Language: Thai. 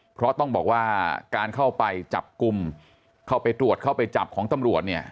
เพราะต้องบอกว่าการเข้าไปจับกลุ่มเข้าไปตรวจเข้าไปจับของตำรวจเนี่ย